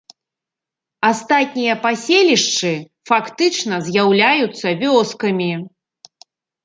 Астатнія паселішчы фактычна з'яўляюцца вёскамі.